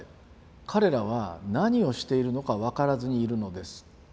彼らは何をしているのかわからずにいるのです」。